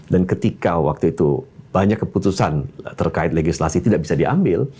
dan ketika waktu itu banyak keputusan terkait legislasi tidak bisa diambil